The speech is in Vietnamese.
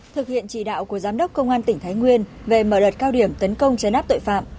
thực hiện chỉ đạo của giám đốc công an tỉnh thái nguyên về mở đợt cao điểm tấn công chấn áp tội phạm